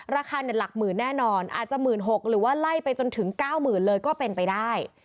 ราคาหลักหมื่นแน่นอนอาจจะหมื่นหกหรือว่าไล่ไปจนถึงเก้าหมื่นเลยก็เป็นไปได้